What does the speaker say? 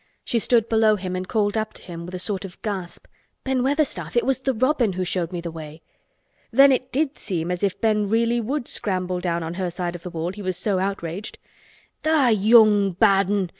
She stood below him and called up to him with a sort of gasp. "Ben Weatherstaff, it was the robin who showed me the way!" Then it did seem as if Ben really would scramble down on her side of the wall, he was so outraged. "Tha' young bad 'un!"